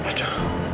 kacau kot finish